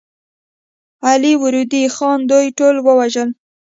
علي وردي خان دوی ټول ووژل.